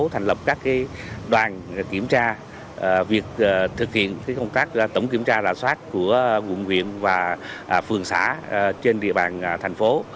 thành lập các đoàn kiểm tra việc thực hiện công tác tổng kiểm tra rạ soát của quận quyện và phường xã trên địa bàn thành phố